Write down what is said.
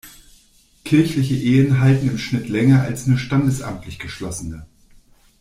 Kirchliche Ehen halten im Schnitt länger als nur standesamtlich geschlossene.